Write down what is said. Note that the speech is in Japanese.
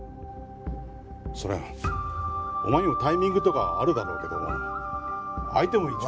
そりゃあお前にもタイミングとかあるだろうけども相手も一応。